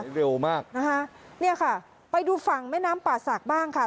เร็วมากนะคะเนี่ยค่ะไปดูฝั่งแม่น้ำป่าศักดิ์บ้างค่ะ